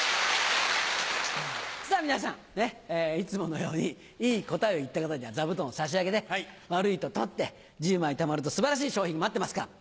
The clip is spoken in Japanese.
さぁ皆さんいつものようにいい答えを言った方には座布団を差し上げて悪いと取って１０枚たまると素晴らしい賞品待ってますから。